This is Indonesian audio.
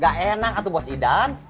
gak enak atau bos idan